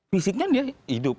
fisiknya dia hidup